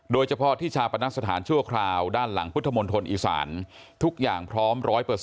โดยเฉพาะที่ชาปนสถานชั่วคราวด้านหลังพุทธมณฑลอีสานทุกอย่างพร้อม๑๐๐